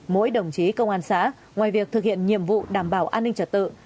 mỗi đồng chí công an xã ngoài việc thực hiện nhiệm vụ đảm bảo an ninh trật tự